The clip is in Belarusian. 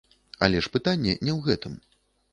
Але ж пытанне не ў гэтым.